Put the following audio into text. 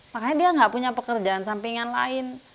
makanya dia nggak punya pekerjaan sampingan lain